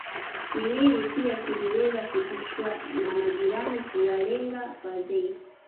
Kiwiri pia kiliweza kuitishwa na majirani kuwalenga wazee